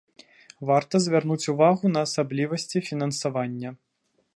Варта звярнуць увагу на асаблівасці фінансавання.